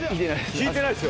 ひいてないです